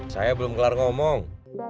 saya belum kelar ngomong